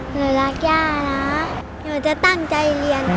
หนูรักย่านะหนูจะตั้งใจเรียน